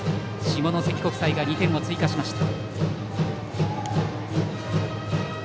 下関国際が２点を追加しました。